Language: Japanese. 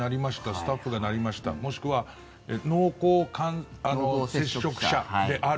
スタッフがなりましたもしくは濃厚接触者である。